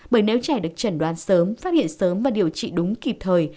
bởi nếu trẻ được trần đoan sớm phát hiện sớm và điều trị đúng kịp thời